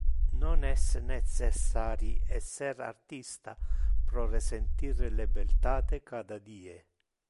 Non es necessari esser artista pro resentir le beltate cata die.